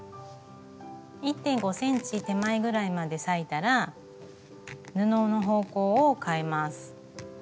１．５ｃｍ手前ぐらいまで裂いたら布の方向をかえます。